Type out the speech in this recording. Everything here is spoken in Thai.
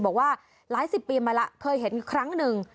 บอกว่าหลายสิบปีมาแล้วเคยเห็นครั้งหนึ่ง